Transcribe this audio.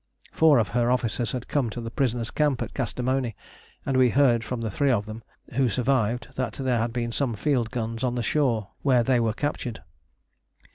Four of her officers had come to the prisoners' camp at Kastamoni, and we heard from the three of them who survived that there had been some field guns on the shore where they were captured.